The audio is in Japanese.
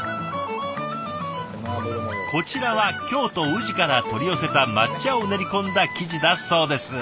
こちらは京都・宇治から取り寄せた抹茶を練り込んだ生地だそうです。